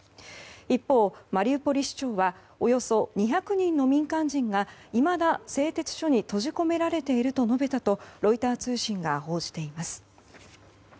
一方、マリウポリ市長はおよそ２００人の民間人がいまだ製鉄所に閉じ込められていると述べたとロイター通信が報じています。